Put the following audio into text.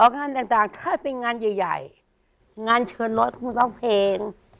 งานต่างถ้าเป็นงานใหญ่งานเชิญรถคุณต้องเพลง